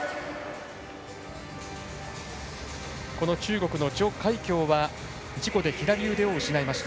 子の中国の徐海蛟は事故で左腕を失いました。